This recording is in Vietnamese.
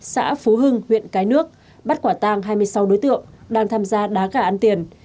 xã phú hưng huyện cái nước bắt quả tang hai mươi sáu đối tượng đang tham gia đá gà ăn tiền